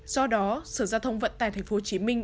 do đó sở giao thông vận tải thành phố hồ chí minh